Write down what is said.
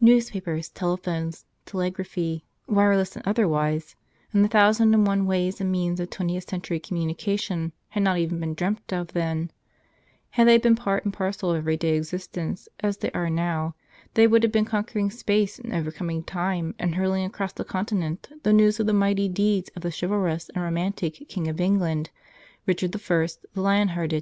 Newspapers, telephones, telegraphy, wireless and otherwise, and the thousand and one ways and means of twentieth cen¬ tury communication had not even been dreamt of then; had they been part and parcel of everyday existence, as they are now, they would have been conquering space and overcoming time and hurling across the continent the news of the mighty deeds of the chivalrous and romantic King of England, Rich¬ ard I, the Lion hearted.